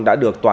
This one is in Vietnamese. đã được tnthhcm